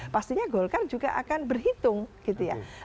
pastinya golkar juga akan berhitung gitu ya